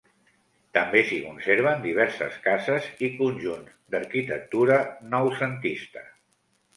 També s'hi conserven diverses cases i conjunts d'arquitectura noucentista.